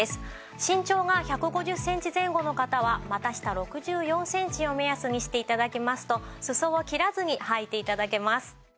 身長が１５０センチ前後の方は股下６４センチを目安にして頂きますと裾を切らずにはいて頂けます。